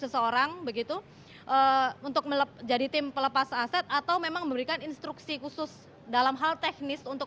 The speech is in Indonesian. seseorang begitu untuk jadi tim pelepas aset atau memang memberikan instruksi khusus dalam hal teknis untuk